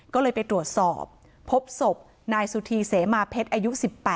ก็เลยไปตรวจสอบพบศพนายสุธีเสมาเพชรอายุ๑๘